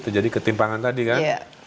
terjadi ketimpangan tadi kan